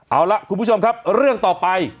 เอาล่ะคุณผู้ชมครับเรื่องต่อไป